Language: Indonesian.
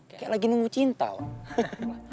kayak lagi nunggu cinta om